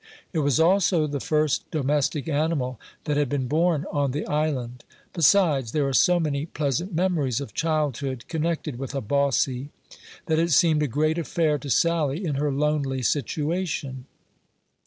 It was also the first domestic animal that had been born on the island; besides, there are so many pleasant memories of childhood connected with a "bossy," that it seemed a great affair to Sally in her lonely situation.